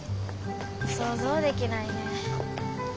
想像できないねぇ。